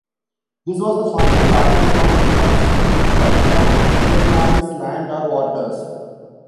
This was the final battle Song Dynasty would fight on Vietnamese land or waters.